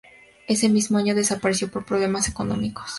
Ese mismo año desapareció por problemas económicos.